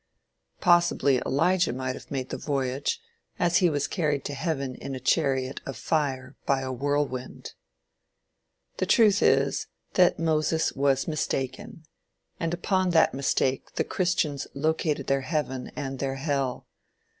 Possibly Elijah might have made the voyage, as he was carried to heaven in a chariot of fire "by a whirlwind." The truth is, that Moses was mistaken, and upon that mistake the christians located their heaven and their hell.